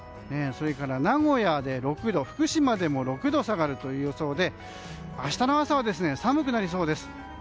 それから、名古屋で６度福島でも６度下がる予想で明日の朝は寒くなりそうです。